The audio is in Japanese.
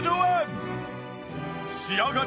仕上がり